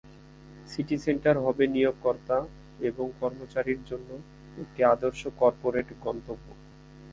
City centre হবে নিয়োগকর্তা এবং কর্মচারীর জন্য একটি আদর্শ কর্পোরেট গন্তব্য।